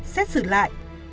xét xử lại